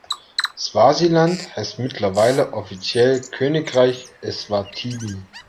Swasiland heißt mittlerweile offiziell Königreich Eswatini.